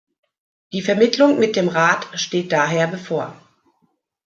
Die Vermittlung mit dem Rat steht daher bevor.